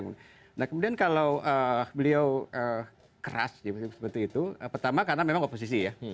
nah kemudian kalau beliau keras seperti itu pertama karena memang oposisi ya